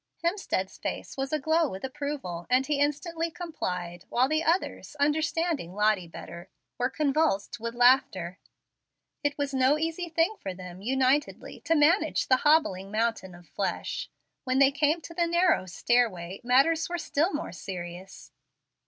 Hemstead's face was aglow with approval, and he instantly complied, while the others, understanding Lottie better, were convulsed with laughter. It was no easy thing for them unitedly to manage the hobbling mountain of flesh. When they came to the narrow stairway, matters were still more serious.